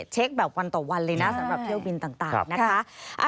เช็คแบบวันต่อวันเลยนะสำหรับเที่ยวบินต่างนะคะ